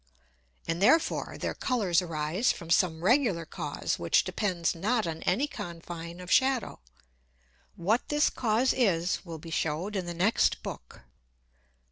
And therefore their Colours arise from some regular Cause which depends not on any Confine of Shadow. What this Cause is will be shewed in the next Book.